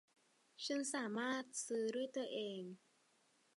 ฉันสามารถซื้อด้วยตัวเอง